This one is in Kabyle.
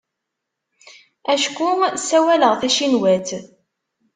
Acku ssawaleɣ tacinwat.